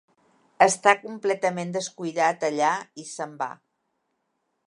Està completament descuidat allà i se'n va.